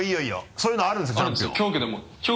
そういうのあるんでしょ？